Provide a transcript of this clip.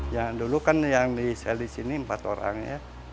yang dulu kan yang diselisih ini empat orang ya